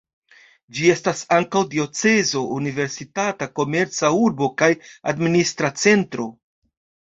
Ĝi estas ankaŭ diocezo, universitata, komerca urbo kaj administra centro.